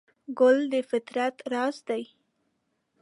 ګل د فطرت راز دی.